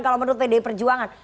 kalau menurut pd perjuangan